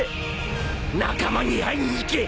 仲間に会いに行け！